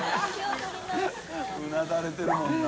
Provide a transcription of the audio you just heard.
うなだれてるもんな。